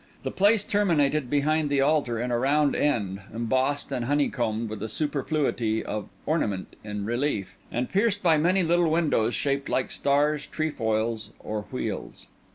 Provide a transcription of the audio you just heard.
The place terminated behind the altar in a round end, embossed and honeycombed with a superfluity of ornament in relief, and pierced by many little windows shaped like stars, trefoils, or wheels.